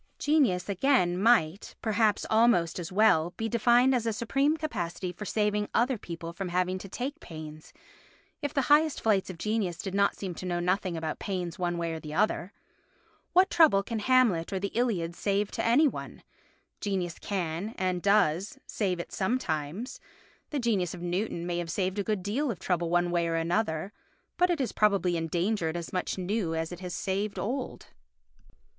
Genius, again, might, perhaps almost as well, be defined as a supreme capacity for saving other people from having to take pains, if the highest flights of genius did not seem to know nothing about pains one way or the other. What trouble can Hamlet or the Iliad save to any one? Genius can, and does, save it sometimes; the genius of Newton may have saved a good deal of trouble one way or another, but it has probably engendered as much new as it has saved old.